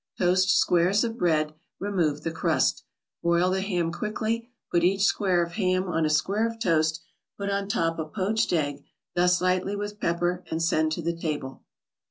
Toast squares of bread, remove the crust. Broil the ham quickly; put each square of ham on a square of toast, put on top a poached egg, dust lightly with pepper and send to the table.